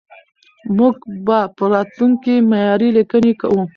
موږ به په راتلونکي کې معياري ليکنې کوو.